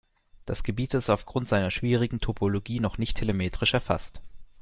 Das Gebiet ist aufgrund seiner schwierigen Topologie noch nicht telemetrisch erfasst.